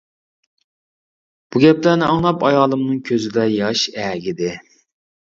بۇ گەپلەرنى ئاڭلاپ ئايالىمنىڭ كۆزىدە ياش ئەگىدى.